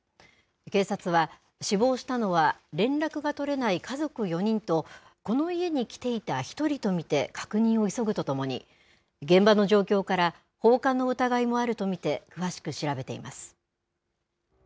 警察は、死亡したのは連絡が取れない家族４人とこの家に来ていた１人と見て確認を急ぐとともに現場の状況から放火の疑いもあると見て詳しく調べています。